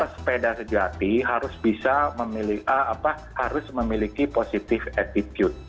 jadi sepeda yang diganti harus bisa memiliki positive attitude